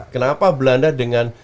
kenapa belanda dengan